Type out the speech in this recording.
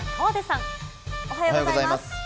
おはようございます。